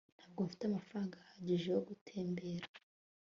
ntabwo mfite amafaranga ahagije yo gutembera